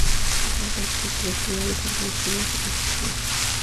Puede saltar por el suelo, subir a los árboles, piedras y construcciones.